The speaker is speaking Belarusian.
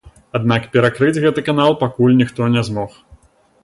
Аднак перакрыць гэты канал пакуль ніхто не змог.